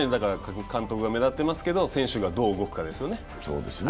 監督が目立ってますけど、選手がどう動くかですよね。